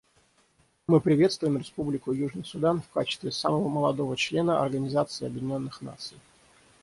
Мы приветствуем Республику Южный Судан в качестве самого молодого члена Организации Объединенных Наций.